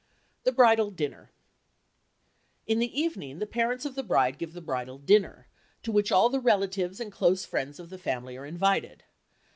THE BRIDAL DINNER In the evening, the parents of the bride give the bridal dinner, to which all the relatives and close friends of the family are invited.